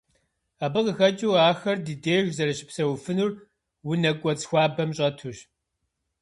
Абы къыхэкӏыу ахэр ди деж зэрыщыпсэуфынур унэ кӏуэцӏ хуабэм щӏэтущ.